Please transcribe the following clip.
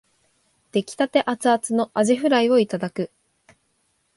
出来立てアツアツのあじフライをいただく